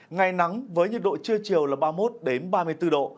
ngày nắng với nhiệt độ trưa chiều là ba mươi một ba mươi bốn độ